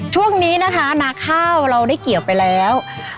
ช่วงนี้นะคะนาข้าวเราได้เกี่ยวไปแล้ว